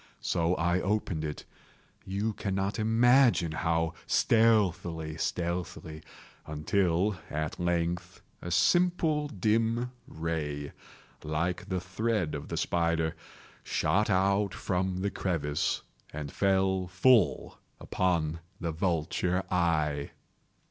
So I opened it—you cannot imagine how stealthily, stealthily—until, at length a simple dim ray, like the thread of the spider, shot from out the crevice and fell full upon the vulture eye.